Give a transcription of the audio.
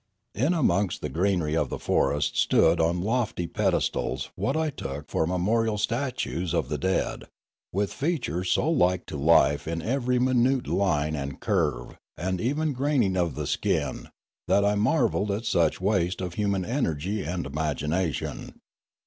In amongst the greenery of the forest stood on lofty pedestals what I took for memorial statues of the dead, with features so like to life in every minute line and curve and even graining of the skin, that I marvelled at such waste of human energy and imagination.